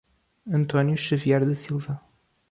Antônio Xavier da Silva